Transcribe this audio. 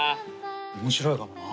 面白いかもな。